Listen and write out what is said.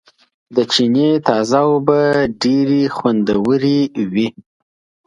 د چينې تازه اوبه ډېرې خوندورېوي